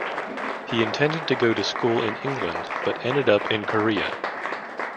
He intended to go to school in England but ended up in Korea.